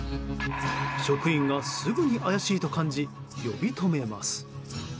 職員がすぐに怪しいと感じ呼び止めます。